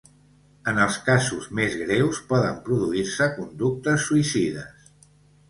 En els casos més greus poden produir-se conductes suïcides.